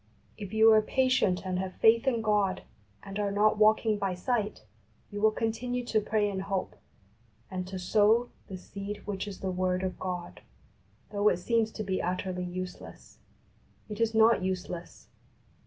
If you are patient and have faith in God, and are not walking by sight, you will continue to pray in hope, and to sow ''the seed which is the word of God," though it seems to be utterly useless. It is not useless.